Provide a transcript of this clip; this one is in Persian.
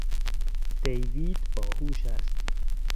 دیوید باهوش است.